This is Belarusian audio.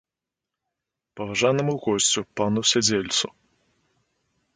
Паважанаму госцю, пану сядзельцу.